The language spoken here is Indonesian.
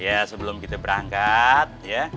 ya sebelum kita berangkat